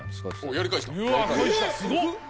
やり返した。